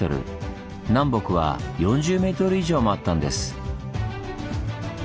南北は４０ｍ以上もあったんです。